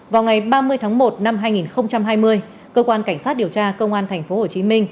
vào ngày ba mươi tháng một năm hai nghìn hai mươi cơ quan cảnh sát điều tra công an tp hcm